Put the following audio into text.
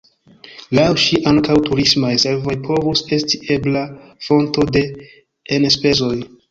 Laŭ ŝi, ankaŭ turismaj servoj povus esti ebla fonto de enspezoj.